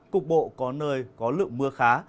cục bộ có nơi có lượng mưa khá